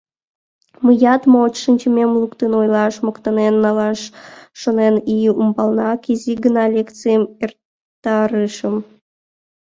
Мыят, мо шинчымем луктын ойлаш, моктанен налаш шонен, ий ӱмбалнак изи гына лекцийым эртарышым.